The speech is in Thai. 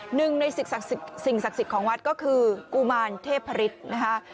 หนึ่งในสิ่งศักดิ์สิทธิ์ของวัดก็คือกุมารเทพฤษนะคะ